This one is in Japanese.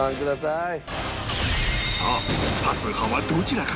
さあ多数派はどちらか？